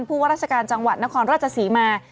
ผู้วัลรัชกาลจังหวัดนครราชสีมา